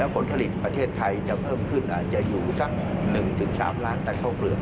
ผลผลิตประเทศไทยจะเพิ่มขึ้นอาจจะอยู่สัก๑๓ล้านตันข้าวเปลือก